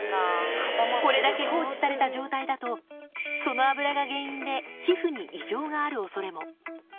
これだけ放置された状態だと、その脂が原因で、皮膚に異常があるおそれも。